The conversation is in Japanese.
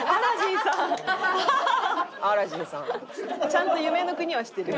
ちゃんと夢の国はしてる。